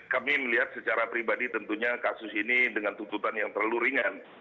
kami melihat secara pribadi tentunya kasus ini dengan tuntutan yang terlalu ringan